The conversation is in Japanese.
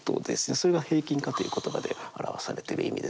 それが「平均化」という言葉で表されてる意味です。